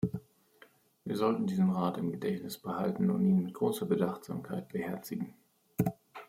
Wir sollten diesen Rat im Gedächtnis behalten und ihn mit großer Bedachtsamkeit beherzigen.